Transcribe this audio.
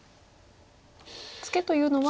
ツケというのは。